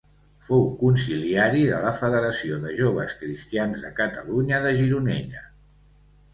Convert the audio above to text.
Fou consiliari de la Federació de Joves Cristians de Catalunya de Gironella.